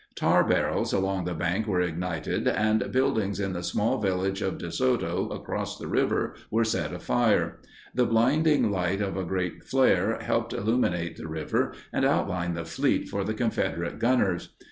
Tar barrels along the bank were ignited and buildings in the small village of De Soto across the river were set afire. The blinding light of a great flare helped illuminate the river and outline the fleet for the Confederate gunners.